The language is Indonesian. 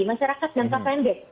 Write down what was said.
masyarakat yang terpendek